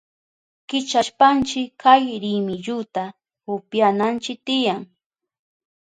Kichashpanchi kay rimilluta upyananchi tiyan.